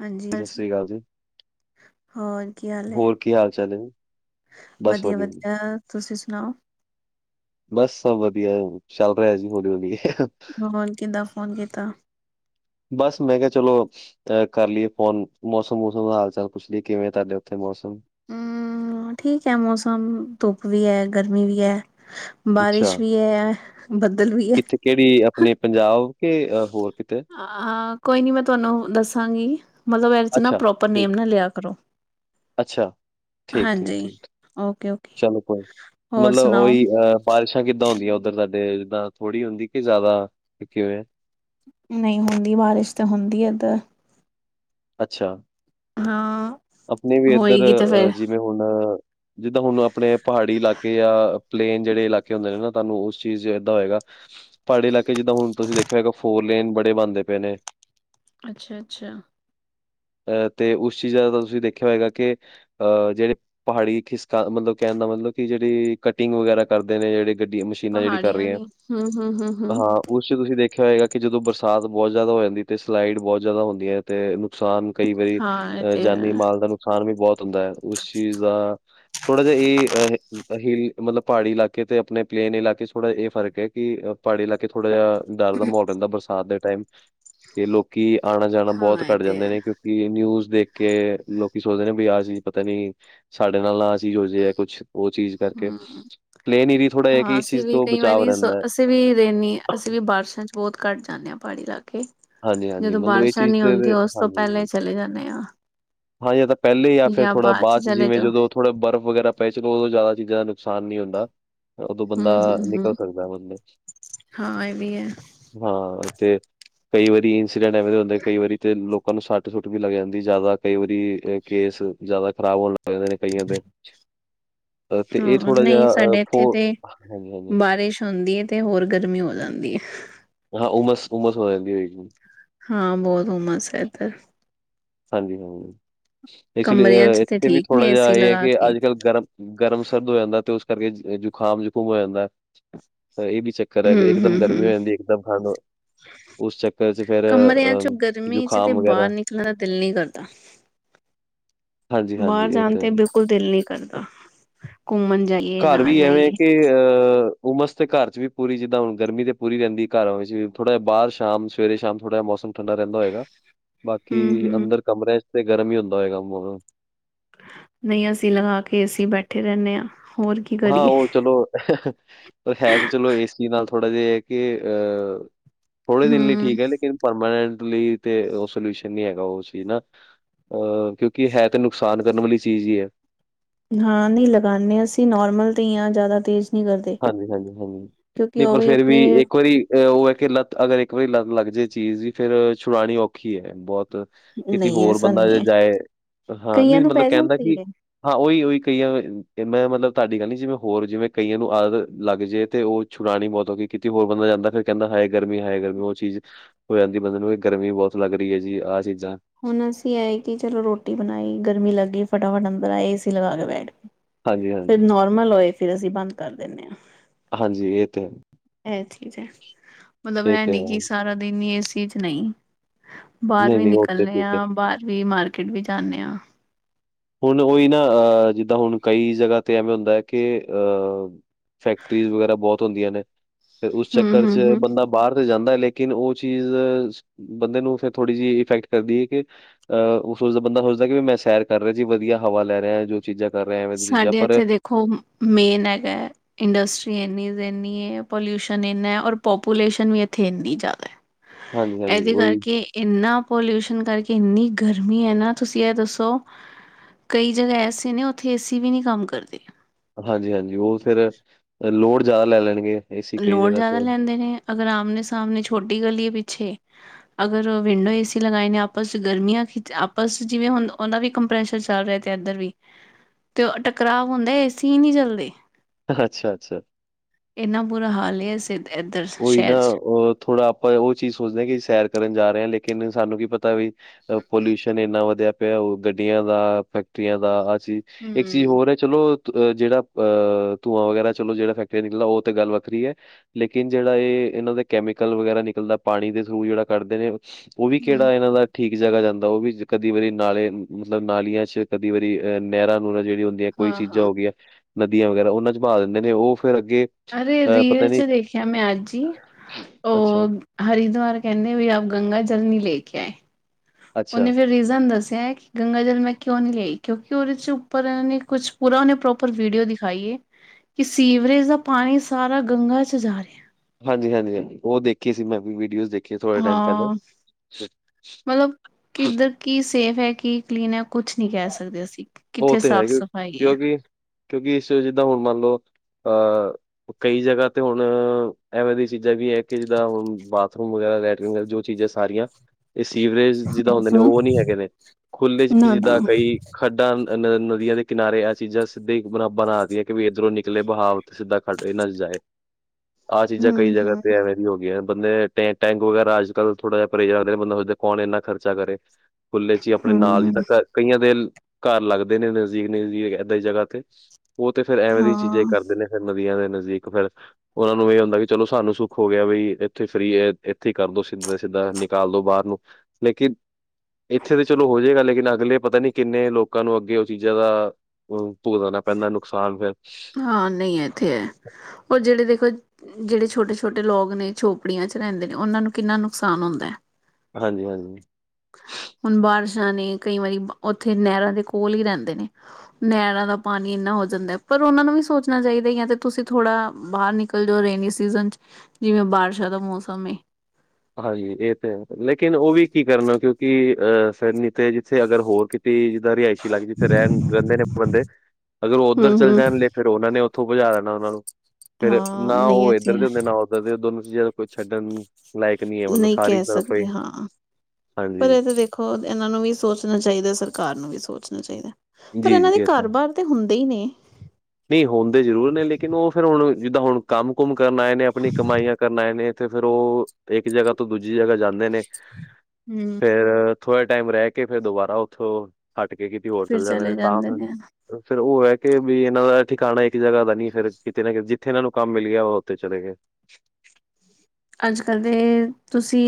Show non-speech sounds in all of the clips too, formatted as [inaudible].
ਹਾਂਜੀ ਹਾਂਜੀ ਸਾਸਰੀ ਕਾਲ ਜੀ। ਹੋਰ ਕੀ ਹਾਲ ਏ, ਹੋਰ ਕੀ ਹਾਲ ਚਾਲ ਹੈ? ਬਸ ਵਧੀਆ- ਜੀ, ਵਧੀਆ। ਤੁਸੀਂ ਸੁਨਾ ਔ। ਬਸ ਸਭ ਵਧੀਆ ਚੱਲ ਰਿਹਾ ਜੀ ਹੌਲੀ-ਹੌਲੀ। ਹਾਂ, ਹੋਰ ਕਿਦਾਂ ਫੋਨ ਕੀਤਾ? ਬਸ, ਮੈਂ ਕਿਆ ਚਲੋ ਅ ਕਰ ਲੀਏ ਫੋਨ ਮੌਸਮ-ਮੂਸਮ ਦਾ ਹਾਲ ਚਾਲ ਪੁੱਛ ਲਈਏ, ਕਿਵੇਂ ਤ੍ਹ‌ਾਡੇ ਉੱਥੇ ਮੌਸਮ। ਹਮ ਠੀਕ ਐ ਮੌਸਮ, ਧੁੱਪ ਵੀ ਐ, ਗਰਮੀ ਵੀ ਐ। ਅੱਛਾ, ਬਾਰਿਸ਼ ਵੀ ਹੈ ਬੱਦਲ ਵੀ ਹ ਕਿੱਥੇ ਕਿਹੜੀ ਆਪਣੇ ਪੰਜਾਬ ਕੇ ਅ ਹੋਰ ਕਿਤੇ? ਕੋਈ ਨਹੀਂ ਮੈਂ ਤੁਹਾਨੂੰ ਦੱਸਾਂਗੀ ਮਤਲਬ ਇਹਦੇ ਚ ਨਾ ਅੱਛਾ ਪ੍ਰੋਪਰ ਠੀਕ, ਨੇਮ ਨਾ ਲਿਆ ਕਰੋ ਅੱਛਾ ਠੀਕ ਹਾਂਜੀ ਠੀਕ ਓਕੇ ਓਕੇ ਚਲੋ ਕੋਈ ਹੋਰ ਮਤਲਬ ਸੁਣਾਓ ਉਹੀ ਪਾਤਸ਼ਾਹ ਕਿੱਦਾਂ ਹੁੰਦੀ ਆ ਉਧਰ ਸਾਡੇ ਜਿਦਾਂ ਥੋੜੀ ਹੁੰਦੀ ਕਿ ਜਿਆਦਾ ਨਹੀਂ ਹੁੰਦੀ ਬਾਰਿਸ਼ ਤੇ ਹੁੰਦੀ ਅੱਛਾ ਹਾਂ ਆਪਣੀ ਵੀ ਇਧਰ ਹੋਏਗੀ ਤੇ ਫੇਰ ਜਿਵੇਂ ਹੁਣ ਜਿੱਦਾਂ ਹੁਣ ਆਪਣੇ ਪਹਾੜੀ ਇਲਾਕੇ ਆ ਪਲੇਨ ਜਿਹੜੇ ਇਲਾਕੇ ਹੁੰਦੇ ਨੇ ਨਾ ਤੁਹਾਨੂੰ ਉਸ ਚੀਜ਼ ਦਾ ਹੋਏਗਾ ਪਹਾੜੇ ਇਲਾਕੇ ਜਿੱਦਾਂ ਹੁਣ ਤੁਸੀਂ ਦੇਖਿਆ ਹੈਗਾ ਫੋਰ ਲੇਨ ਬੜੇ ਬਣਦੇ ਪਏ ਨੇ ਅੱਛਾ ਅੱਛਾ ਅਹ ਤੇ ਉਸ ਚੀਜ਼ਾਂ ਤਾਂ ਤੁਸੀਂ ਦੇਖਿਆ ਹੋਏਗਾ ਕੇ ਅ ਜਿਹੜੇ ਪਹਾੜੀ ਖਿਸਕਾ, ਮਤਲਬ ਕਹਿਣ ਦਾ ਮਤਲਬ ਕਿ ਜਿਹੜੀ, ਕਟਿੰਗ ਵਗੈਰਾ ਕਰਦੇ ਨੇ, ਜਿਹੜੇ ਵੱਡੀਆ ਮਸ਼ੀਨਾਂ ਜਿਹੜੀ ਕਰ ਪਹਾੜੀਆਂ ਰ‌ਈਆਂ। ਦੀ ਹਮ ਹਮ ਹਮ ਹਮ ਹਾਂ ਉਸ 'ਚ ਤੁਸੀਂ ਦੇਖਿਆ ਹੋਏਗਾ ਕਿ ਜਦੋਂ ਬਰਸਾਤ ਬਹੁਤ ਜ਼ਿਆਦਾ ਹੋ ਜਾਂਦੀ ਤੇ ਸਲਾਈਡ ਬਹੁਤ ਜ਼ਿਆਦਾ ਹੁੰਦੀ ਐ ਤੇ ਨੁਕਸਾਨ ਕਈ ਵਾਰੀ, ਹਾਂ ਇਹ ਅਹ ਤੇ ਜਾ ਹੈ ਓਦਾ ਨੁਕਸਾਨ ਵੀ ਬਹੁਤ ਹੁੰਦਾ ਐ। ਉਸ ਚੀਜ਼ ਦਾ, ਥੋੜਾ ਜਾ ਇਹ ਹੇਗਾ ਐਹੀ ਮਤਲਬ ਪਹਾੜੀ ਇਲਾਕੇ ਤੇ ਆਪਣੇ ਪਲੇਨ ਇਲਾਕੇ 'ਚ ਥੋੜਾ ਇਹ ਫ਼ਰਕ ਐ ਕਿ, ਪਹਾੜੀ ਲਾਕੇ 'ਚ ਥੋੜਾ ਜਿਆ ਡਰ ਦਾ ਮਾਹੌਲ ਰਹਿੰਦਾ ਬਰਸਾਤ ਦੇ ਟਾਈਮ ਤੇ ਲੋਕੀ ਆਣਾ-ਜਾਣਾ ਹਾਂ ਬਹੁਤ ਇਹ ਘੱਟ ਤੇ ਜਾਂਦੇ ਹੈ ਨੇ, ਕਿਉਂਕਿ ਕਿ ਨਿਊਜ਼ ਦੇਖ ਕੇ ਲੋਕੀ ਸੋਚਦੇ ਨੇ ਬੀ ਆਹ ਚੀਜ਼ ਪਤਾ ਨੀ, ਸਾਡੇ ਨਾਲ ਨਾ ਜੇਓ ਜੇਆ ਕੁਛ, ਉਹ ਚੀਜ਼ ਕਰਕੇ, ਹਮ ਪਲੇਨ ਏਰੀਏ ਥੋੜ੍ਹਾ ਇਹ ਕਿ ਹਾਂ ਇਸ ਅਸੀਂ ਚੀਜ਼ ਵੀ ਤੋਂ ਕਈ ਬਚਾਵ ਵਾਰੀ ਸ ਰਹਿੰਦਾ ਐ। ਅਸੀਂ ਵੀ ਰੇਨੀ ਆਂ। ਅਸੀਂ ਵੀ ਬਾਰਿਸ਼ਾਂ 'ਚ ਬਹੁਤ ਘੱਟ ਜਾਂਨੇ ਆ, ਪਹਾੜੀ ਲਾਕੇ 'ਚ ਹਾਂਜੀ-ਹਾਂਜੀ, ਜਦੋਂ ਮਤਲਬ ਇਹ ਬਾਰਿਸ਼ਾਂ ਚੀਜ਼ ਨ‌ੀ ਤੇ ਤੇ- ਹੁੰਦੀਆਂ ਉਸ ਤੋਂ ਪਹਿਲੇ ਈ ਹਾਂਜੀ, ਚਲੇ ਜਾਂਨੇ ਆਂ। ਹਾਂ ਜਾਂ ਤਾਂ ਪਹਿਲੇ ਜਾਂ ਫਿਰ ਥੋੜ੍ਹਾ ਬਾਅਦ 'ਚ ਚਲੇ ਜਿਵੇਂ ਜਾਓ ਜਦੋਂ ਥੋੜਾ ਬਰਫ਼ ਵਗੈਰਾ ਪੈ ਚਲੋ, ਉਦੋਂ ਜ਼ਾਦਾ ਚੀਜ਼ਾਂ ਦਾ ਨੁਕਸਾਨ ਨੀ ਹੁੰਦਾ। ਫਿਰ ਉਦੋਂ ਬੰਦਾ ਹਮ ਹਮ ਨਿਕਲ ਹਮ ਸਕਦਾ, ਮਤਲਬ ਹਾਂ ਇਹ ਵੀ ਹੈ ਹਾਂ ਤੇ ਕਈ ਵਾਰੀ ਇੰਸੀਡੈਂਟ ਐਵੇਂ ਦੇ ਹੁੰਦੇ, ਕਈ ਵਾਰੀ ਤੇ ਲੋਕ ਲੋਕਾਂ ਨੂੰ ਸੱਟ-ਸੁੱਟ ਵੀ ਲੱਗ ਜਾਂਦੀ ਜਿਆਦਾ ਕਈ ਵਾਰੀ, ਏ ਕੇਸ ਜਿਆਦਾ ਖ਼ਰਾਬ ਹੋਣ ਪੈ ਜਾਂਦੇ ਨੇ ਕਈਆਂ ਦੇ, ਤੇ ਇਹ ਹਾਂ ਥੋੜਾ ਨਹੀਂ ਜਿਆ ਅ ਸਾਡੇ ਇੱਥੇ ਖੋ, ਤੇ ਹਾਂਜੀ-ਹਾਂਜੀ। ਬਾਰਿਸ਼ ਹੁੰਦੀ ਏ ਤੇ ਹੋਰ ਗਰਮੀ ਹੋ ਜਾਂਦੀ ਏ। ਹਾਂ, ਉਮਸ-ਉਮਸ ਹੋ ਜਾਂਦੀ ਹੋਏਗੀ। ਹਾਂ, ਬਹੁਤ ਊਮਸ ਐ ਇੱਧਰ। ਹਾਂਜੀ-ਹਾਂਜੀ, ਇਸ ਲਈ ਕਮਰਿਆਂ ਚ ਤੇ ਇੱਥੇ ਵੀ ਠੀਕ ਨੇ ਥੋੜ੍ਹਾ ਜਿਹਾ ਏਸੀ ਇਹ ਐ ਲਗਾ ਕਿ ਕੇ ਅੱਜ ਕੱਲ੍ਹ ਗਰਮ ਗਰਮ-ਸਰਦ ਹੋ ਜਾਂਦਾ ਤੇ ਉਸ ਕਰਕੇ ਜੁਖਾਂਮ-ਜੁਖੂਮ ਹੋ ਜਾਂਦਾ ਐ। ਇਹ ਵੀ ਚਕ ਘਰ ਆ ਕੇ, ਹਮ ਇੱਕ ਦਮ ਹਮ ਗਰਮੀ ਹਮ ਹੋ ਜਾਂਦੀ, ਇੱਕ ਦਮ ਠੰਡ ਹੋ ਉਸ ਚੱਕਰ 'ਚ ਫੇਰ, ਅਹ ਜ਼ੁਖਾਂਮ ਵਗੈਰਾ ਉਹਨਾਂ ਦਾ ਦਿਲ ਨੀ ਕਰਦਾ, ਹਾਂਜੀ-ਹਾਂਜੀ ਬਾਹਰ ਇਹ ਜਾਣ ਤਾਂ ਹੈ। ਤੇ ਬਿਲੁ ਤੇ ਦਿਲ ਨੀ ਕਰਦਾ, ਘੁੰਮਣ ਜਾਈ ਘਰ ਵੀ ਐਵੇਂ ਕਿ ਅ ਉਮਸ ਤੇ ਘਰ ਚ ਵੀ ਪੂਰੀ ਜਿੱਦਾਂ ਹੁਣ ਗਰਮੀ ਤੇ ਪੂਰੀ ਰਹਿੰਦੀ ਘਰਾਂ ਵਿੱਚ ਵੀ ਥੋੜਾ ਜਿ ਬਾਹਰ ਸ਼ਾਮ ਸਵੇਰੇ ਸ਼ਾਮ ਥੜਾਿਹਾ ਮੌਸਮ ਠੰਡਾ ਰਹਿੰਦਾ ਹੋਏਗਾ ਬਾਕੀ ਹਮ ਹਮ ਅੰਦਰ ਕਮਰਿਆਂ ਚ ਤੇ ਗਰਮ ਹੀ ਹੁੰਦਾ ਹੋਏਗਾ। ਨਹੀਂ ਅਸੀਂ ਲਗਾ ਕੇ ਅਸੀਂ ਬੈਠੇ ਰਹਿੰਦੇ ਹਾਂ। ਹੋਰ ਕੀ ਹਾਂ ਕਰੀਏ ਉਹ ਚਲੋ ਪਰ ਹੈ ਤੇ ਚਲੋ ਇਸਏ ਚੀਜ਼ ਨਾਲ ਥੋੜਾ ਜਿਹਾ ਹੈ ਕਿ ਅਹ ਥੋੜੇ ਦਿਨ ਲਈ ਹਮ ਠੀਕ ਹੈ ਲੇਕਿਨ ਪਰਮਾਨੈਂਟਲੀ ਤੇ ਉਹ ਸੋਲਿਊਸ਼ਨ ਨੀ ਹੈਗਾ ਉਹ ਚੀਜ਼ ਦਾ। ਅਹ ਕਿਉਂਕਿ ਹੈ ਤਾਂ ਨੁਕਸਾਨ ਕਰਨ ਵਾਲੀ ਚੀਜ਼ ਹੀ ਹੈ। ਹਾਂ ਨਹੀਂ ਲਗਾਉਂਦੇ ਅਸੀਂ ਨੋਰਮਲ ਤੇ ਹੀ ਹਾਂ ਜ਼ਿਆਦਾ ਤੇਜ਼ ਨਹੀਂ ਕਰਦੇ ਹਾਂਜੀ -ਹਾਂਜੀ, ਹਾਂਜੀ ਕਿਉਂਕਿ ਨਹੀਂ ਉਹ ਪਰ ਫਿਰ ਵੀ ਆਪਣੇ ਇੱਕ ਵਾਰੀ ਉਹ ਹੈ ਕਿ ਲੱਤ ਅਗਰ ਇੱਕ ਵਾਰੀ ਲੱਤ ਲੱਗ ਜੇ ਚੀਜ਼ ਦੀ ਫੇਿਰ ਛੁਡਾਣੀ ਔਖੀ ਹੈ ਬਹੁਤ ਕਿਤੇ ਨਹੀਂ ਹੋਰ ਐਸਾ ਬੰਦਾ ਨਹੀਂ ਜੇ ਹੈ ਜਾਏ ਹਾਂ ਕਈਆਂ ਨਹੀਂ ਨੂੰ ਮਤਲਬ ਪੈ ਕਹਿੰਦਾ ਜਾਂਦੀ ਕਿ ਹੈ ਹਾਂ ਉਈ-ਉਈ ਕਈਆਂ, ਮੈਂ ਮਤਲਬ ਤੁਹਾਡੀ ਗੱਲ ਨੀ ਜਿਵੇਂ ਹੋਰ, ਜਿਵੇਂ ਕਈਆਂ ਨੂੰ ਆਦਤ ਲੱਗ ਜ਼ੇ ਤੇ ਔਹ ਛੁਡਾਨੀ ਬੋਤ ਔਖੀ, ਕਿਥੇ ਹੋਰ ਬੰਦਾ ਜਾਂਦਾ। ਫਿਰ ਕਹਿੰਦਾ ਹਾਏ ਗਰਮੀ, ਹਾਏ ਗਰਮੀ ਔ ਚੀਜ਼। ਹੋ ਜਾਂਦੀ, ਬੰਦੇ ਨੂੰ ਗਰਮੀ ਬਹੁਤ ਲੱਗ ਰੀ ਐ ਜੀ, ਆਹ ਚੀਜ਼ਾਂ ਹੁਣ ਅਸੀਂ ਐ ਕਿ ਚਲੋ ਰੋਟੀ ਬਣਾਈ, ਗਰਮੀ ਲੱਗਗੀ, ਫਟਾਫਟ ਅੰਦਰ ਆਏ ਏ, ਸੀ ਲਗਾ ਕੇ ਬੈਠ ਗੇ। ਹਾਂਜੀ, ਫਿਰ ਹਾਂਜੀ, ਨੋਰਮਲ ਹੋਏ ਤੇ ਅਸੀਂ ਬੰਦ ਕਰ ਦਿੰਨੇ ਆ। ਹਾਂਜੀ, ਇਹ ਤੇ ਹੈ। ਏਹ ਚੀਜ਼ ਹੈ, ਮਤਲਬ ਇਹ ਏਹ ਤੇ ਹੈ। ਨੀ ਕਿ, ਸਾਰਾ ਦਿਨ ਈ ਏ ਸੀ ਚ ਨ ਈ। ਬਾਹਰ ਨਹੀਂ, ਵੀ ਨਹੀਂ ਉਹ ਤੇ ਨਿਕਲਨੇ ਠੀਕ ਹੈ। ਆਂ, ਬਾਹਰ ਵੀ ਮਾਰਕੀਟ ਵੀ ਜਾਂਨੇ ਆ। ਹੁਣ ਔਈ ਨਾ ਅਹ ਜਿੱਦਾਂ ਹੁਣ ਕਈ ਜਗ੍ਹਾ ਤੇ ਐਵੇਂ ਹੁੰਦਾ ਏ ਕੇ ਅਹ ਫੈਕਟਰੀਜ਼ ਵਗੈਰਾ ਬਹੁਤ ਹੁੰਦੀਆਂ ਨੇ। ਫੇਰ ਉਸ ਹਮ ਚੱਕਰ ਹਮ 'ਚ ਹਮ ਬੰਦਾ ਬਾਹਰ ਤੇ ਜਾਂਦਾ ਲੇਕਿਨ ਉਹ ਚੀਜ਼, ਬੰਦੇ ਨੂੰ ਫਿਰ ਥੋੜ੍ਹੀ ਜਿਹੀ ਇਫੈਕਟ ਕਰਦੀ ਏ ਕਿ ਅਹ ਓ ਫਿਰ ਬੰਦਾ ਸੋਚਦਾ ਕਿ ਮੈਂ ਸੈਰ ਕਰ ਰਿਆ ਜੀ, ਵਧੀਆ ਹਵਾ ਲੈ ਰਿਆ ਜੇ ਚੀਜ਼ਾਂ ਕਰ ਰ‌ਏ ਆ। ਸਾਡੇ ਏਥੇ ਦੇਖੋ ਮੇਨ ਹੈਗਾ। ਇੰਡਸਟਰੀ ਇਨੀ ਇਨੀ ਹੈ ਪੋਲਿਊਸ਼ਨ ਇੰਨਾ ਔਰ ਪਾਪੂਲੇਸ਼ਨ ਵੀ ਇੱਥੇ ਇੰਨੀ ਜ਼ਿਆਦਾ ਹਾਂਜੀ, ਹੈ। ਹਾਂਜੀ ਇਹਦੇ ਨਾਲ ਉਹੀ ਕੀ ਇੰਨਾ ਪੋਲਿਊਸ਼ਨ ਕਰਕੇ, ਇੰਨੀ ਗਰਮੀ ਹੈ ਨਾ ਤੁਸੀਂ ਇਹ ਦੱਸੋ ਕਈ ਜਗ੍ਹਾ ਐਸੇ ਨੇ ਉੱਥੇ ਏਸੀ ਵੀ ਨਹੀ ਕੰਮ ਕਰਦੇ। ਹਾਂਜੀ- ਹਾਂਜੀ ਉਹ ਫਿਰ ਲੋਡ ਜ਼ਿਆਦਾ ਲੈ ਲੈਣਗੇ। ਏਸੀ ਕਈ ਲੋੜ ਜਗ੍ਹਾ ਜ਼ਿਆਦਾ ਤੇ ਲੈਂਦੇ ਨੇ ਅਗਰ ਆਮਣੇ ਸਾਹਮਣੇ ਛੋਟੀ ਗਲੀ ਹੈ ਪਿੱਛੇ ਅਗਰ ਵਿੰਡੋ ਏ ਸੀ ਲਗਾਏ ਨੇ ਆਪਸ 'ਚ ਗਰਮੀਆਂ ਖਿੱਚ ਆਪਸ 'ਚ ਜਿਵੇਂ ਹੁਣ ਉਹਦਾ ਵੀ ਕੰਪਰੈਸ਼ਰ ਚੱਲ ਰਿਹਾ ਤੇ ਇਧਰ ਵੀ, ਤੇ ਉਹ ਟਕਰਾਵ ਹੁੰਦਾ ਏਸੀ ਹੀ ਨਹੀਂ ਚਲਦੇ ਅੱਛਾ- ਅੱਛਾ। ਇੰਨਾ ਬੁਰਾ ਹਾਲ ਹੀ ਇਸ ਏਧਰ ਸ਼ਹਿਰ 'ਚ ਥੋੜ੍ਹਾ ਆਪਾਂ ਉਹ ਚੀਜ਼ ਸੋਚਦੇ ਹਾਂ ਕਿ ਸੈਰ ਕਰਨ ਜਾ ਰਹੇ ਹੈ, ਲੇਕਿਨ ਸਾਨੂੰ ਕੀ ਪਤਾ ਵੀ ਪੋਲਿਊਸ਼ਨ ਇੰਨਾ ਵਧਿਆ ਪਿਆ ਉਹ ਗੱਡੀਆਂ ਦਾ, ਫੈਕਟਰੀਆਂ ਦਾ ਆ ਚੀਜ਼ ਇੱਕ ਚੀਜ਼ ਹੂੰ, ਹੋਰ ਹੈ। ਚਲੋ ਜਿਹੜਾ ਅ, ਧੂੰਆਂ ਵਗੈਰਾ ਚਲੋ ਜਿਹੜਾ ਫੈਕਟਰੀ ਨਿਕਲ ਉਹ ਤੇ ਗੱਲ ਵੱਖਰੀ ਹੈ ਲ ਲੇਕਿਨ ਜਿਹੜਾ ਇਹਨਾਂ ਦਾ ਕੈਮੀਕਲ ਵਗੈਰਾ ਨਿਕਲਦਾ ਪਾਣੀ ਦੇ ਥਰੂ ਜਿਹੜਾ ਕਢਦੇ ਨੇ ਉਹ ਵੀ ਹੂੰ, ਕਿਹੜਾ ਇਹਨਾਂ ਦਾ ਠੀਕ ਜਗ੍ਹਾ ਜਾਂਦਾ ਉਹ ਵੀ ਕਦੀ ਵਾਰੀ ਨਾਲੇ ਮਤਲਬ ਨਾਲੀਆਂ 'ਚ ਕਦੀ ਵਾਰੀ ਨਹਿਰਾਂ ਨਾਂ ਜਿਹੜੀਆਂ ਹੁੰਦੀਆਂ ਕੋਈ ਚੀਜ਼ਾਂ ਹਾਂ-ਹਾਂ ਹੋ ਗਈਆਂ, ਨਦੀਆਂ ਵਗੈਰਾ ਉਹਨਾਂ 'ਚ ਬਹਾ ਦਿੰਦੇ ਨੇ ਉਹ ਫਿਰ ਅੱਗੇ ਅਰੇ ਅ, ਪਤਾ ਰੀਲ 'ਚ ਨਹੀਂ ਦੇਖਿਆ ਮੈਂ ਅੱਜ ਹੀ, ਅੱਛਾ ਉਹ ਹਰਿਦੁਆਰ ਕਹਿੰਦੇ ਵੀਈ ਆਪ ਗੰਗਾ ਜਲ ਨਹੀਂ ਲੈ ਕੇ ਆਏ ਅੱਛਾ ਉਹਨੇ ਫਿਰ ਰੀਜ਼ਨ ਦੱਸਿਆ ਹੈ ਕਿ ਗੰਗਾ ਜਲ ਮੈਂ ਕਿਉਂ ਨਹੀਂ ਲਿਆਈ, ਕਿਉਂਕਿ ਉਹਦੇ 'ਚ ਉੱਪਰਨੇ ਕੁਛ ਪੂਰਾ ਉਹਨੇ ਪ੍ਰੋਪਰ ਵੀਡੀਓ ਦਿਖਾਈ ਏ ਕਿ ਸੀਵਰੇਜ ਦਾ ਪਾਣੀ ਸਾਰਾ ਗੰਗਾ 'ਚ ਜਾ ਰਿਹਾ। ਹਾਂਜੀ- ਹਾਂਜੀ, ਹਾਂਜੀ ਉਹ ਦੇਖੀ ਸੀ ਮੈਂ ਵੀਡੀਓਜ਼ ਦੇਖ ਹਾਂ ਮਤਲਬ ਕਿੱਧਰ ਕੀ ਸੇਫ ਹੈ ਕੀ ਕਲੀਨ ਹੈ ਕੁਛ ਨਹੀਂ ਕਹਿ ਸਕਦੇ ਅਸੀਂ। ਉਹ ਕਿੱਥੇ ਤੇ ਸਾਫ਼ ਹੈਗੇ ਸਫ਼ਾਈ ਹੈ। ਕਿਉਂਕਿ, ਕਿਉਂਕਿ ਇਸ ਜਿੱਦਾਂ ਹੁਣ ਮੰਨ ਲਓ ਅਹ ਕਈ ਜਗ੍ਹਾ ਤੇ ਹੁਣ ਇਹੋ ਜਿਹੀਆਂ ਚੀਜ਼ਾਂ ਵੀ ਹੈ। ਜਿੱਦਾਂ ਹ ਬਾਥਰੂਮ ਵਗੈਰਾ, ਲੈਟਰਿਨ ਵਗੈਰਾ ਜੋ ਚੀਜ਼ਾਂ ਸਾਰੀਆਂ ਇਹ ਸੀਵਰੇਜ ਜਿੱਦਾਂ ਹੁੰਦੇ ਨੇ ਹੂੰ ਉਹ ਨਹੀਂ ਹੈਗੇ ਨੇ, ਖੁੱਲੇ 'ਚ ਨਾ-ਨਾ ਜਿੱਦਾਂ ਕਈ ਖੱਡਾਂ ਨਦੀਆਂ ਦੇ ਕਿਨਾਰੇ ਇਹ ਚੀਜ਼ਾਂ ਸਿੱਧੇ ਬ ਬਣਾਕੇ ਕਿ ਵੀ ਇੱਧਰੋਂ ਨਿਕਲੇ ਬਹਾਵ ਸਿੱਧਾ ਖਡ ਇਹਨਾਂ 'ਚ ਜਾਏ, ਆਹ ਚੀਜ਼ਾਂ ਕਈ ਜਗ੍ਹਾ ਹੂੰ-ਹੂੰ ਤੇ ਐਵੇਂ ਹੋ ਗਈ ਬੰਦੇ ਟ ਟੈਂਕ ਵਗੈਰਾ ਅੱਜ- ਕੱਲ੍ਹ ਥੋੜ੍ਹਾ ਜਿਹਾ ਪਰਹੇਜ ਰੱਖਦੇ ਨੇ, ਬੰਦਾਦੇ ਕੌਣ ਇੰਨਾ ਖਰਚਾ ਕਰੇ ਖੁੱਲੇ 'ਚ ਆਪਣੇ ਨਾਲ ਜੀ ਤਾਂ ਹੂੰ ਘਰ ਕਈਆਂ ਦੇਨ ਘਰ ਲੱਗਦੇ ਨੇ ਨਜ਼ਦੀਕ ਨਦੀਕ ਏਦਾਂ ਦੀ ਜਗ੍ਹਾ ਤੇ, ਉਹ ਤੇ ਫਿਰ ਐਵੇਂ ਦੀ ਚੀਜ਼ਾਂ ਹੀ ਹਾਂ ਕਰਦੇ ਨੇ ਫਿਰ ਨਦੀਆਂ ਦੇ ਨਜ਼ਦੀਕ ਫਿਰ ਉਹਨਾਂ ਨੂੰ ਇਹ ਹੁੰਦਾ ਕਿ ਚਲੋ ਸਾਨੂੰ ਸੁੱਖ ਹੋ ਗਿਆ ਬਈ ਇੱਥੇ ਫਰੀ, ਇੱਥੇ ਕਰ ਦੋ ਸਿੱਧਾ ਦਾ ਸਿੱਧਾ ਨਿਕਾਲ ਦੋ ਬਾਹਰ ਨੂੰ ਲੇਕਿਨ, ਇੱਥੇ ਤਾਂ ਚਲੋ ਹੋ ਜਾਏਗਾ ਲੇਕਿਨ ਅਗਲੇ ਪਤਾ ਨੀ ਕਿੰਨੇ ਲੋਕ ਲੋਕਾਂ ਨੂੰ ਅੱਗੇ ਇਹ ਚੀਜ਼ਾਂ ਦਾ ਭੁਗਤਣਾ ਪੈਂਦਾ ਨੁਕਸਾਨ ਫਿਰ- ਹਾਂ ਨਹੀਂ, ਇੱਥੇ ਤੇ ਹੈ, ਉਹ ਜਿਹੜੇ ਦੇਖੋ ਜਿਹੜੇ ਛੋਟੇ- ਛੋਟੇ ਲੋਕ ਨੇ ਝੋਪੜੀਆਂ 'ਚ ਰਹਿੰਦੇ ਨੇ ਉਹਨਾਂ ਨੂੰ ਕਿੰਨਾ ਨੁਕਸਾਨ ਹੁੰਦਾ। ਹਾਂਜੀ- ਹਾਂਜੀ। ਹੁਣ ਬਾਰਿਸ਼ਾਂ ਨੇ, ਕਈ ਵਾਰੀ ਉੱਥੇ ਨਹਿਰਾਂ ਦੇ ਕੋਲ ਹੀ ਰਹਿੰਦੇ ਨੇ। ਨਹਿਰਾਂ ਦਾ ਪਾਣੀ ਇੰਨਾ ਹੋ ਜਾਂਦਾ ਹੈ। ਪਰ ਉਹਨਾਂ ਨੂੰ ਵੀ ਸੋਚਣਾ ਚਾਹੀਦਾ ਹੈ। ਤੇ ਤੁਸੀਂ ਥੋੜ੍ਹਾ ਬਾਹਰ ਨਿਕਲ ਲ ਜੋ ਰੇਨੀ ਸੀਜ਼ਨ ' ਜਿਵੇਂ ਬਾਰਿਸ਼ਾਂ ਦਾ ਮੌਸਮ ਏ ਹਾਂਜੀ ਇਹ ਤੇ ਹੈ, ਲੇਕਿਨ ਉਹ ਵੀ ਕੀ ਕਰਨ ਕਿਉਂਕਿ ਅਹ ਸੈਨੀ ਤੇ ਜਿੱਥੇ ਅਗਰ ਹੋਰ ਕੀਤੀ ਜਿੱਦਾਂ ਰਿਹਾਇਸ਼ੀ ਲੱਗਦੀ ਜਿੱਥੇ ਰਹਿਣ ਦਿੰਦੇ ਨੇ ਬੰਦੇ ਅਗਰ ਉਹ ਉੱਧਰ ਚੱਲ ਹੂੰ-ਹੂੰ ਜਾਣ ਲੇਕਿਨ ਉਹਨਾ ਨੇ ਉੱਥੋਂ ਭਜਾ ਦੇਣਾ ਉਹਨਾਂ ਨੂੰ। ਫਿਰ ਹਾਂ ਨਾ ਨਹੀਂ ਉਹ ਇਹ ਤੇ ਇੱਧਰ ਹੈ ਦੇ ਹੁੰਦੇ ਨਾ ਉੱਧਰ ਦੇ, ਦੋਨੋ ਚੀਜ਼ਾਂ ਕੋਈ ਛੱਡਣ ਨੂੰ ਨਹੀਂ ਕਹਿ ਸਕਦੇ ਹਾਂ, ਹਾਂਜੀ ਪਰ ਇਹ ਤਾਂ ਦੇਖੋ ਖੁਦ ਇਹਨਾਂ ਨੂੰ ਵੀ ਸੋਚਣਾ ਚਾਹੀਦਾ, ਸਰਕਾਰ ਨੂੰ ਵੀ ਸੋਚਣਾ ਚਾਹੀਦਾ ਪਰ ਜੀ, ਜੀ ਇਹਨਾਂ ਦੇ ਇਹ ਤਾਂ ਘਰ ਹੈ। -ਬਾਰ ਤੇ ਹੁੰਦੇ ਹੀ ਨੇ ਨਹੀਂ ਹੋਂਦੇ ਜ਼ਰੂਰ ਨੇ ਲੇਕਿਨ ਉਹ ਫੇਰ ਹੁਣ ਜਿੱਦਾਂ ਹੁਣ ਕੰਮ ਕੁਮ ਕਰਨ ਆਏ ਨੇ ਆਪਣੀ ਕਮਾਈਆਂ ਕਰਨ ਆਏ ਨੇ ਤੇ ਫੇਰ ਉਹ ਇੱਕ ਜਗ੍ਹਾ ਤੋਂ ਦੂਜੀ ਜਗ੍ਹਾ ਜਾਂਦੇ ਨੇ ਹੂੰ ਫੇਰ ਥੋੜ੍ਹਾ ਟਾਈਮ ਰਹਿ ਕੇ ਫਿਰ ਦੁਬਾਰਾ ਉੱਥੋਂ ਹੱਟ ਕੇ ਕਿਤੇ ਹੋਰ ਚਲੇ ਜਾਂਦੇ ਨੇ ਤਾਂ ਫਿਰ ਫੇਰ ਉਹ ਹੈ ਕੇ ਬਈ ਇਹਨਾਂ ਦਾ ਠਿਕਾਣਾ ਇੱਕ ਜਗ੍ਹਾ ਦਾ ਨ ਫਿਰ ਕਿਤੇ ਨਾ ਕਿਤੇ ਜਿੱਥੇ ਇਹਨਾਂ ਨੂੰ ਕੰਮ ਮਿਲ ਗਿਆ ਉੱਥੇ ਚਲੇ ਗਏ। ਅੱਜ ਕੱਲ੍ਹ ਦੇ ਤੁਸੀਂ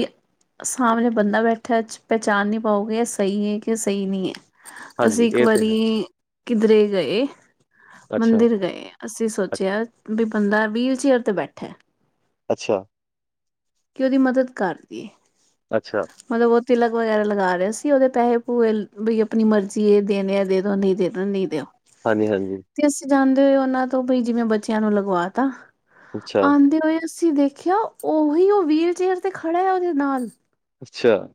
ਸਾਹਮਣੇ ਬੰਦਾ ਬੈਠਾ ਅੱਜ ਪਹਿਚਾਣ ਨੀ ਪਾਉਗੇ ਸਹੀ ਹੈ ਕਿ ਸਹੀ ਨਹੀਂ ਹੈ। ਹਾਂਜੀ ਅਸੀਂ ਇੱਕ ਇਹ ਤੇ ਹੈ। ਵਾਰੀ ਕਿਧਰੇ ਗਏ ਅੱਛਾ, ਮੰਦਿਰ ਗਏ ਆ ਅਸੀਂ ਅੱਛ ਸੋਚਿਆ ਬਈ ਬੰਦਾ ਵੀਲ ਚੇਅਰ ਤੇ ਬੈਠਾ, ਅੱਛਾ। ਕਿ ਉਹਦੀ ਮਦਦ ਕਰਦੀ ਅੱਛਾ, ਮਤਲਬ ਉਹ ਤਿਲਕ ਵਗੈਰਾ ਲਗਾ ਰਿਹਾ ਸੀ ਉਹਦੇ ਪੈਸੇ ਪੂਹੇ ਬਈ ਆਪਣੀ ਮਰਜ਼ੀ ਏ ਦੇਣੇ ਆ ਦੇ ਦੋ ਨਹੀਂ ਦੇਣੇ [unintelligible] ਹਾਂਜੀ-ਹਾਂਜੀ। ਤੇ ਅਸੀਂ ਜਾਂਦੇ ਹੋਏ ਉਹਨਾਂ ਤੋਂ ਬਈ ਜਿਵੇਂ ਬੱਚਿਆਂ ਨੂੰ ਲਗਵਾ ਤਾ, ਅੱਛਾ, ਆਂਦੇ ਹੋਏ ਤੁਸੀਂ ਦੇਖਿਆ ਉਹੀ ਉਹ ਵੀਲ ਚੇਅਰ ਤੇ ਖੜਾ ਹੈ ਉਹਦੇ ਨਾਲ। ਅੱਛਾ,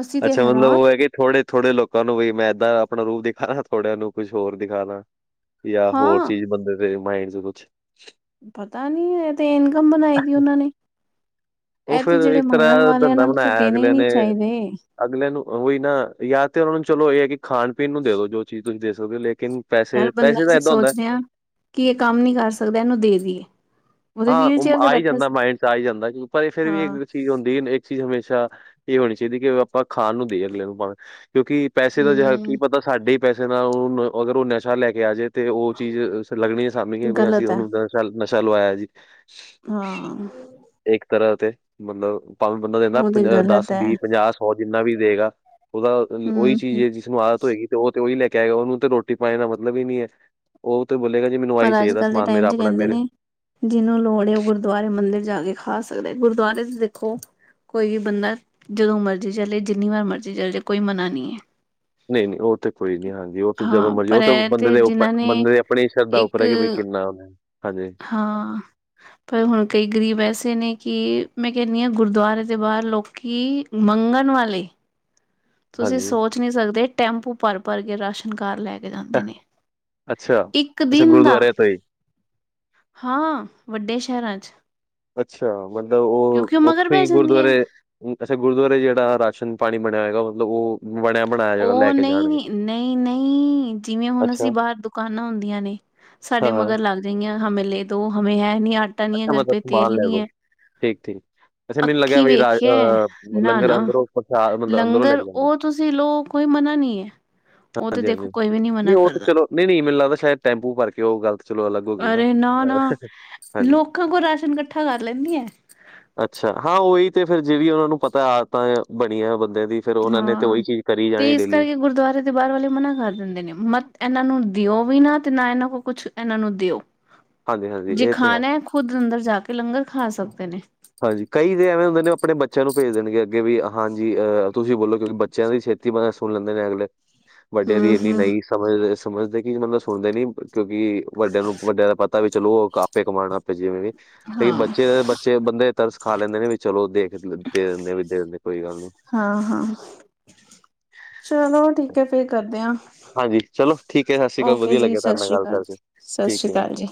ਅਸੀਂ ਤੇ ਅੱਛਾ ਮਤਲਬ ਹੈਰਾਨ ਉਹ ਹੈ ਕਿ ਥੋੜੇ-ਥੋੜੇ ਲੋਕਾਂ ਨੂੰ ਵੀ ਮੈਂ ਏਦਾਂ ਆਪਣਾ ਰੂਪ ਦਿਖਾ ਦਾਂ ਥੋੜਿਆਂ ਨੂੰ ਕੁਛ ਹੋਰ ਦਿਖਾ ਦਾਂ। ਯਾ ਹੋਰ ਹਾਂ ਚੀਜ਼ ਬੰਦੇ ਦੇ ਮਾਇੰਡ ਨੂੰ ਕੁੱਛ ਪਤਾ ਨੀ ਇਹ ਤੇ ਇਨਕਮ ਬਣਾਈ ਦੀ ਉਹਨਾਂ ਨੇ ਉਹ ਇਹ ਤੇ ਫਿਰ ਜਿਹੜੇ ਇੱਕ ਮੰਗਣ ਤਰ੍ਹਾਂ ਵਾਲੇ ਧੰਦਾ ਐਹਨਾਂ ਨੂੰ ਤੇ ਬਣਾਇਆ ਦੇਣੇ ਹੀ ਅਗਲੇ ਨੀ ਨੇ ਚਾਹੀਦੇ। ਅਗਲੇ ਨੂੰ ਓਹੀ ਨਾ ਯਾ ਤੇ ਉਹਨਾਂ ਨੂੰ ਚਲੋ ਇਹ ਹੈ ਕਿ ਖਾਣ ਪੀਣ ਨੂੰ ਦੇ ਦੋ ਜੋ ਚੀਜ਼ ਤੁਸੀਂ ਦੇ ਸਕਦੇ ਹੋ ਲੇਕਿਨ ਪੈਸੇ-ਪੈਸੇ ਤਾਂ ਏਦਾਂ ਹੁੰਦਾ ਕੀ ਇਹ ਕੰਮ ਨਹੀਂ ਕਰ ਸਕਦਾ ਇਹਨੂੰ ਦੇ ਦੀਏ। ਉਹਦੇ ਹਾਂ ਵੀਲ ਉਹ ਚੇਅਰ ਤੇ ਆ ਈ ਬੈਠਾ ਜਾਂਦਾ ਸੀ ਮਾਇੰਡ ਚ ਆ ਈ ਜਾਂਦਾ ਪਰ ਫਿਰ ਵੀ ਹਾਂ ਏਕ ਚੀਜ਼ ਹੁੰਦੀ ਇੱਕ ਚੀਜ਼ ਹਮੇਸ਼ਾ ਇਹ ਹੋਣੀ ਚਾਹੀਦੀ ਕਿ ਆਪਾਂ ਖਾਣ ਨੂੰ ਦਈਏ ਅਗਲੇ ਨੂੰ ਪਾਨ ਕਿਉਂਕਿ ਪੈਸੇ ਦਾ ਜਿ ਕੀ ਹਮ ਪਤਾ ਸਾਡੇ ਹੀ ਪੈਸੇ ਨਾਲ ਉਹ ਓਦਰੋ ਨਸ਼ਾ ਲੈ ਕੇ ਆ ਜੇ। ਤੇ ਉਹ ਚੀਜ਼ ਲੱਗਣੀ ਏ ਸਾਨੂੰ ਕੀ ਬਈ ਅਸੀਂ ਗ਼ਲਤ ਹੈ ਉਹਨੂੰ ਨਸ਼ਾ ਲਵਾਯਾ ਜੀ। ਹਾਂ। ਇੱਕ ਤਰ੍ਹਾਂ ਤੇ ਮਤਲਬ ਪਾਂਵੇ ਬੰਦਾ ਦਿੰਦਾ ਉਹ ਤੇ ਦਸ ਗ਼ਲਤ ਹੈ ਵੀਹ ਪੰਜਾਹ ਔ ਜਿੰਨਾ ਵੀ ਦੇਗਾ ਉਹਦਾ ਉਹੀ ਚੀਜ਼ ਹਮ ਏ ਜਿਸਨੂੰ ਆਦਤ ਹੋਏਗੀ ਤੇ ਉਹ ਤੇ ਉਹੀ ਲੈ ਕੇ ਆਏਗਾ ਉਹਨੂੰ ਤੇ ਰੋਟੀ ਪਾਣੀ ਦਾ ਮਤਲਬ ਈ ਨੀ ਹੈ। ਉਹ ਤੇ ਬੋਲੇਗਾ ਜੀ ਮੈਨੂੰ ਆਈ ਚਾਹੀਦਾ ਸਮਾਨ ਮੇਰਾ ਆਪਣਾ ਮੇਰੇ ਜਿਨੂੰ ਲੋੜ ਏ ਉਹ ਗੁਰਦੁਆਰੇ ਮੰਦਿਰ ਜਾ ਕੇ ਖਾ ਸਕਦਾ ਗੁਰਦੁਆਰੇ ਚ ਦੇਖੋ ਕੋਈ ਵੀ ਬੰਦਾ ਜਦੋਂ ਮਰਜ਼ੀ ਚੱਲੇ ਜਿੰਨੀ ਵਾਰ ਮਰਜ਼ੀ ਚੱਲ ਜੇ ਕੋਈ ਮਨਾ ਨੀ ਹੈ। ਨਹੀਂ-ਨਹੀਂ ਉਹ ਤੇ ਕੋਈ ਨੀ ਹਾਂਜੀ ਉਹ ਤੇ ਜਦੋਂ ਹਾਂ ਮਰਜ਼ੀ ਪਰ ਉਹ ਤੇ ਇਹ ਬੰਦੇ ਦੇ ਉੱਪਰ ਜਿਨਾਂ ਨੇ ਬੰਦੇ ਦੇ ਆਪਣੀ ਸ਼ਰਧਾ ਉੱਪਰ ਇੱਕ ਹੈ ਕਿ ਬਈ ਕਿੰਨਾ, ਹਾਂਜੀ। ਹਾਂ। ਪਰ ਹੁਣ ਕਈ ਗਰੀਬ ਐਸੇ ਨੇ ਕਿ ਮੈਂ ਕਹਣੀ ਆ ਗੁਰਦੁਆਰੇ ਦੇ ਬਾਹਰ ਲੋਕੀ ਮੰਗਣ ਵਾਲੇ ਤੁਸੀਂ ਹਾਂਜੀ ਸੋਚ ਨਹੀਂ ਸਕਦੇ ਟੈਂਪੂ ਭਰ ਭਰ ਕੇ ਰਸ਼ ਘਰ ਲੈ ਕੇ ਜਾਂਦੇ ਨੇ ਅੱਛਾ, ਇੱਕ ਅੱਛਾ ਦਿਨ ਦਾ ਗੁਰਦੁਆਰੇ ਤੋਂ ਹੀ ਹਾਂ ਵੱਡੇ ਸ਼ਹਿਰਾਂ 'ਚ। ਅੱਛਾ, ਮਤਲਬ ਉਹ ਕਿਉਂਕਿ ਮਗਰ ਉੱਥੋਂ ਪੈ ਹੀ ਜਾਂਦੀਆਂ ਗੁਰਦੁਆਰੇ ਅੱਛਾ ਗੁਰਦੁਆਰੇ ਜੇੜਾ ਰਾਸ਼ਨ ਪਾਣੀ ਬਣਿਆ ਹੈਗਾ ਮਤਲਬ ਉਹ ਬਣਿਆ ਬਣਾ ਉਹ ਨਹੀਂ ਨਹੀਂ ਨਹੀਂ ਜਿਵੇਂ ਹੁਣ ਅਸੀਂ ਅੱਛਾ, ਬਾਹਰ ਦੁਕਾਨਾਂ ਹੁੰਦੀਆਂ ਨੇ, ਸਾਡੇ ਹਾਂ, ਹਾਂ ਮਗਰ ਲੱਗ ਜਾਏਂਗੇ ਹਮੇ ਲੇਦੋ ਹਮੇ ਹੈ ਨੀ ਆਟਾ ਨੀ ਹੈ ਕਰਰ ਪਏ ਤੇਲ ਨੀ ਹੈ, ਠੀਕ-ਠੀਕ। ਵੈਸੇ ਮੈਨ ਲੱਗਿਆ ਅੱਖੀ ਬਈ ਵੇਖਿਆ [unintelligible] ਨਾ ਲੰਗਰ ਨਾ ਅੰਦਰੋ ਪ੍ਰਸ਼ਾਦ ਅੰਦਰੋਂ ਲੈ ਕੇ ਜਾਂਦੇ। ਤੁਸੀ ਲੋ ਕੋਈ ਮਨਾ ਨਹੀਂ ਹੈ ਉਹ ਤੇ ਹਾਂਜੀ, ਹਾਂਜੀ ਦੇਖੋ ਕੋਈ ਵੀ ਨੀ ਮਨਾ ਨਹੀਂ ਉਹ ਤਾਂ ਕਰਦਾ। ਨਹੀਂ, ਨਹੀਂ ਮੈਨੂੰ ਲੱਗਦਾ ਸ਼ਾਇਦ ਟੈਂਪੂ ਭਰ ਕੇ ਉਹ ਗਲਤ ਚਲੋ ਅਲੱਗ ਹੋ ਗਈ ਨਾ। ਅਰੇ ਨਾ ਹਾਂਜੀ। ਲੋਕਾਂ ਕੋਲ ਰਾਸ਼ਨ ਇਕੱਠਾ ਕਰ ਲੈਂਦੀ ਆ। ਅੱਛਾ, ਹਾਂ ਉਹੀ ਤੇ ਫ਼ਿਰ ਜਿਹੜੀ ਉਹਨਾ ਨੂੰ ਪਤਾ ਆਦਤ ਬਣੀਆਂ ਬੰਦਿਆਂ ਦੀ ਫੇਰ, ਉਹਨਾਂ ਨੇ ਤੇ ਹਾਂ। ਉਹੀ ਚੀਜ਼ ਕਰੀ ਜਾਣੀ ਇਸ ਡੇਲੀ। ਕਰਕੇ ਗੁਰਦੁਆਰੇ ਤੇ ਬਾਹਰ ਵਾਲੇ ਮਨਾ ਕਰ ਦਿੰਦੇ ਨੇ ਮਤ ਇਹਨਾਂ ਨੂੰ ਦਿਓ ਵੀ ਨਾ ਤੇ ਨਾ ਇਹਨਾਂ ਕੋਲ ਕੁਛ ਇਹਨਾਂ ਨੂੰ ਦਿਓ। ਹਾਂਜੀ ਹਾਂਜੀ ਜੇ ਇਹ ਤੇ ਖਾਣਾ ਹੈ, ਖੁਦ ਅੰਦਰ ਜਾ ਕੇ ਲੰਗਰ ਖਾ ਸਕਦੇ ਨੇ। ਹਾਂਜੀ, ਕਈ ਦੇ ਐਵੇਂ ਹੁੰਦੇ ਨੇ ਆਪਣੇ ਬੱਚਿਆਂ ਨੂੰ ਭੇਜ ਦੇਣਗੇ ਅੱਗੇ ਵੀ ਹਾਂਜੀ ਅਹ ਤੁਸੀਂ ਬੋਲੋ ਕਿਉਂਕਿ ਬੱਚਿਆਂ ਦੀ ਛੇਤੀ ਕੀ ਮਤਲ ਸੁਣ ਲੈਂਦੇ ਨੇ ਅਗਲੇ ਵੱਡੇ ਦੀ ਹੂੰ ਇੰਨੀ ਹੂੰ ਨਹੀਂ ਸਮਝਦੇ ਸਮਝਦੇ ਕਿ ਮਤਲਬ ਸੁਣਦੇ ਨੀ ਕਿਉਂਕਿ ਵੱਡਿਆਂ ਨੂੰ ਵੱਡਿਆਂ ਦਾ ਪਤਾ ਵੀ ਚਲੋ, ਉਹ ਆਪੇ ਕਮਾਉਣ ਆਪੇ ਜਿਵੇਂ ਵੀ ਲਕ ਹਾਂ ਬੱਚੇ ਬੱਚੇ ਤੇ ਬੰਦੇ ਤਰਸ ਖਾ ਲੈਂਦੇ ਨੇ ਵੀ ਚਲੋ ਦੇਖ ਦੇ ਦਿੰਦੇ ਵੀ ਦੇ ਦਿੰਦੇ ਕੋਈ ਗੱਲ ਨੀ ਹਾਂ, ਹਾਂ ਚਲੋ ਠੀਕ ਹੈ ਫੇਰ ਕਰਦੇ ਹਾਂ। ਹਾਂਜੀ ਚਲੋ ਠੀਕ ਹੈ ਸਤਿ ਸ਼੍ਰੀ ਅਕਾਲ ਓਕੇ ਵਧੀਆ ਜੀ, ਲੱਗਿਆ ਸਤਿ ਤੁਹਾਡੇ ਨਾਲ ਸ੍ਰੀ ਗੱਲ ਅਕਾਲ ਕਰਕੇ ਜੀ, ਸਤਿ ਸ਼੍ਰੀ ਠੀਕ ਹੈ ਅਕਾਲ ਜੀ।